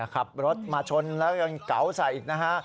ขับรถมาชนแล้วยังเก๋าใส่อีกนะฮะ